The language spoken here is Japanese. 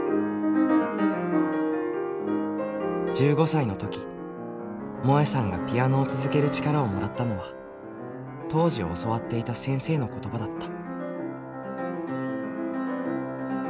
１５歳の時もえさんがピアノを続ける力をもらったのは当時教わっていた先生の言葉だった。